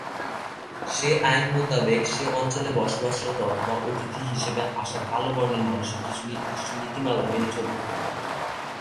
সে আইন মোতাবেক সে অঞ্চলে বসবাসরত অথবা অতিথি হিসেবে আসা কালো বর্ণের মানুষদের কিছু নির্দিষ্ট নীতিমালা মেনে চলতে হতো।